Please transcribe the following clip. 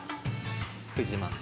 封じます。